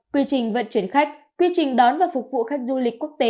quy trình vận chuyển khách quy trình đón và phục vụ khách du lịch quốc tế